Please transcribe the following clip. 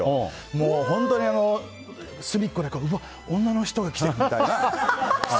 もう本当に隅っこで女の人が来てるみたいな。